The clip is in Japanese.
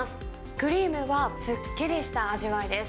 クリームはすっきりした味わいです。